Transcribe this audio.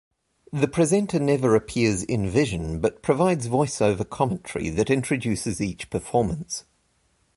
The presenter never appears in-vision, but provides voice-over commentary that introduces each performance.